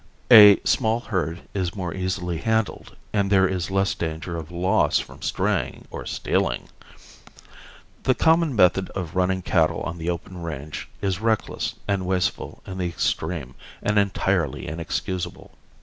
A small herd is more easily handled, and there is less danger of loss from straying or stealing. The common method of running cattle on the open range is reckless and wasteful in the extreme and entirely inexcusable.